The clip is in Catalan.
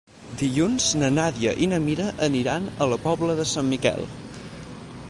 Dilluns na Nàdia i na Mira aniran a la Pobla de Sant Miquel.